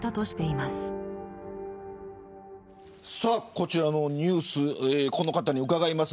こちらのニュースこの方に伺います。